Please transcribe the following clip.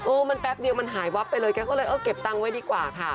มันแป๊บเดียวมันหายวับไปเลยแกก็เลยเออเก็บตังค์ไว้ดีกว่าค่ะ